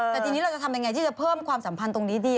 แต่ทีนี้เราจะทำยังไงที่จะเพิ่มความสัมพันธ์ตรงนี้ดี